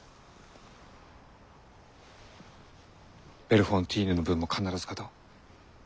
ベルフォンティーヌの分も必ず勝とう。